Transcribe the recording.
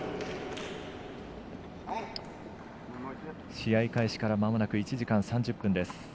試合開始からまもなく１時間３０分です。